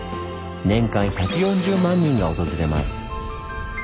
年間１４０万人が訪れます。